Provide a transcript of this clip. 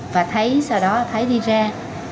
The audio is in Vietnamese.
và sau đó thấy đi ra là đi xe của tôi